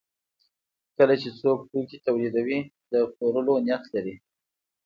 کله چې څوک توکي تولیدوي د پلورلو نیت لري.